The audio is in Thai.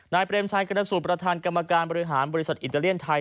เปรมชัยกรณสูตรประธานกรรมการบริหารบริษัทอิตาเลียนไทย